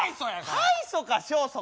敗訴か勝訴か。